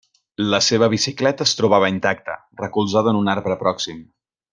La seva bicicleta es trobava intacta, recolzada en un arbre pròxim.